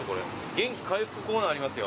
元気回復コーナーありますよ。